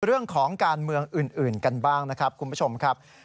เรื่องของการเมืองอื่นกันบ้างนะครับคุณผู้ชมครับ